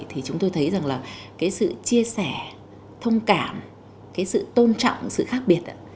thì chúng tôi thấy rằng là cái sự chia sẻ thông cảm cái sự tôn trọng sự khác biệt